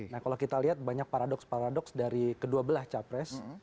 nah kalau kita lihat banyak paradoks paradoks dari kedua belah capres